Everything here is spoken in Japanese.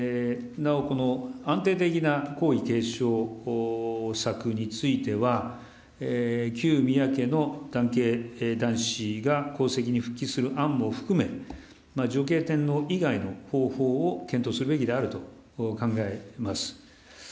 なおこの安定的な皇位継承策については、旧宮家の男系男子が皇籍に復帰する案も含め、女系天皇以外の方法を検討するべきであると考えます。